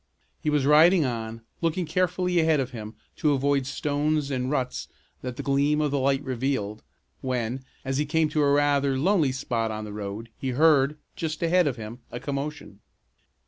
He was riding on, looking carefully ahead of him, to avoid stones and ruts that the gleam of light revealed, when, as he came to rather a lonely spot on the road, he heard, just ahead of him, a commotion.